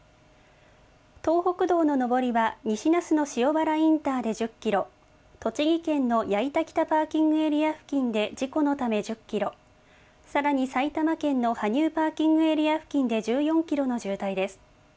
東北道の上りは西那須野塩原インターで１０キロ、栃木県の矢板北パーキングエリア付近で事故のため１０キロ、さらに埼玉県の羽生パーキングエリア付近で１４キロの渋滞です。